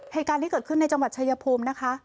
เหตุการณ์ที่เกิดขึ้นในจังหวัดชายภูมินะคะ